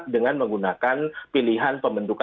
dengan menggunakan pilihan pembentukan